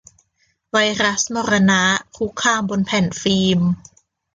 ไวรัสมรณะ คุกคามบนแผ่นฟิล์ม